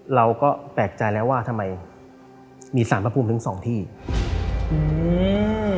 เราก็แปลกใจแล้วว่าทำไมมีสารพระภูมิถึงสองที่อืม